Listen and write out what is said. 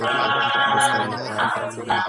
بېخبره د توپان له شواخونه